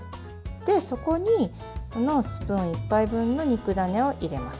で、そこにスプーン１杯分の肉ダネを入れます。